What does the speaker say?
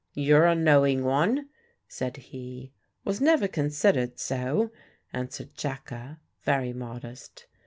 "You're a knowing one," said he. "Was never considered so," answered Jacka, very modest.